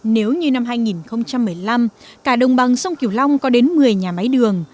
nếu như năm hai nghìn một mươi năm cả đồng bằng sông kiều long có đến một mươi nhà máy đường